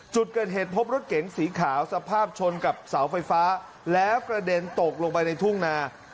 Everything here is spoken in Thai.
จุดเกิดเหตุพบรถเก๋งสีขาวสภาพชนกับเสาไฟฟ้าแล้วกระเด็นตกลงไปในทุ่งนา